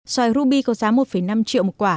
xoài ruby có giá một năm triệu một quả